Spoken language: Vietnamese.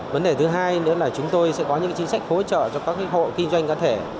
vấn đề thứ hai nữa là chúng tôi sẽ có những chính sách hỗ trợ cho các hộ kinh doanh cá thể